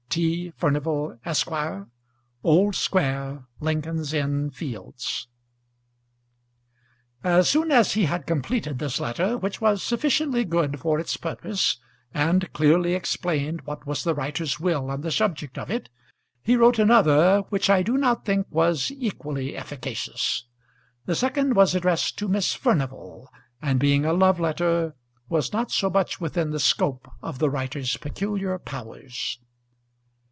T. Furnival, Esq., Old Square, Lincoln's Inn Fields. As soon as he had completed this letter, which was sufficiently good for its purpose, and clearly explained what was the writer's will on the subject of it, he wrote another, which I do not think was equally efficacious. The second was addressed to Miss Furnival, and being a love letter, was not so much within the scope of the writer's peculiar powers.